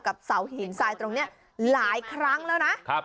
เสาหินทรายตรงนี้หลายครั้งแล้วนะ